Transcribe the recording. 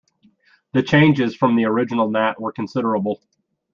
The changes from the original Gnat were considerable.